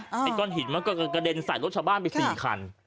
ไอ้ก้อนหินมันก็กระเด็นใส่รถชาวบ้านไป๔คัน